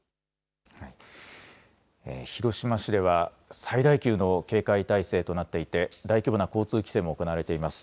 広島市では最大級の警戒態勢となっていて、大規模な交通規制も行われています。